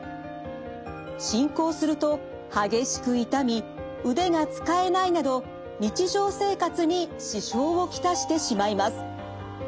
進行すると激しく痛み腕が使えないなど日常生活に支障を来してしまいます。